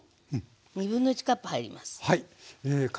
1/2カップ入ります。